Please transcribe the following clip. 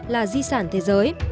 là di sản thế giới